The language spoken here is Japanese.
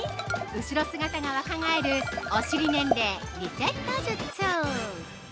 後ろ姿が若返るお尻年齢リセット術。